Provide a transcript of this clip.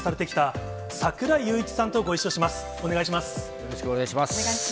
よろしくお願いします。